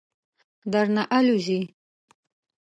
درنه آلوځي.